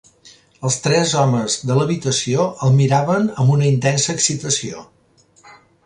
Els tres homes de l'habitació el miraven amb una intensa excitació.